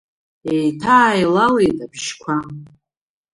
Еиҭааилалеит абжьқәа.